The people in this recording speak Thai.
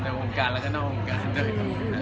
ในโมงการและก็นอกโมงการด้วยครับ